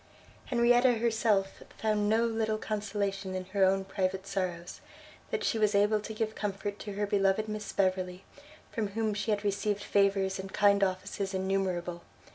Henrietta herself found no little consolation in her own private sorrows, that she was able to give comfort to her beloved Miss Beverley, from whom she had received favours and kind offices innumerable.